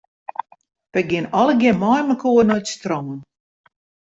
Wy geane allegear meimekoar nei it strân.